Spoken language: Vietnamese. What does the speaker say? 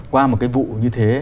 qua một cái vụ như thế